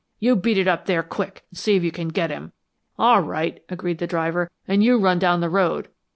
You beat it up there quick and see if you can get him." "All right," agreed the driver. "And you run down the road."